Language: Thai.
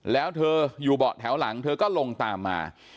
แล้วเธออยู่เบาะแถวหลังเธอก็ลงตามมา